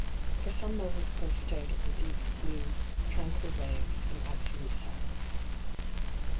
For some moments both stared at the deep blue, tranquil waves in absolute silence.